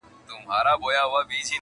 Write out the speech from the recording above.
ځوانان له هغه ځایه تېرېږي ډېر,